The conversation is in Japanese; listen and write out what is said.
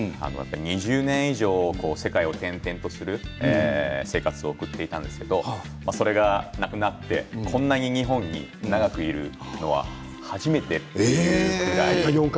２０年以上世界を転々とする生活を送っていたんですけどそれがなくなってこんなに日本に長くいるのは初めてというくらい。